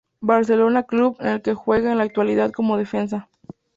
Barcelona club en el que juega en la actualidad como defensa.